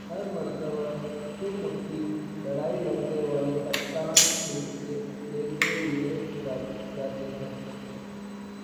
ہر مرتبہ چومکھی لڑائی لڑنے والے کپتان کے لتے لیے جاتے ہیں ۔